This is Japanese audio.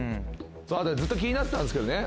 ずっと気になってたんですけどね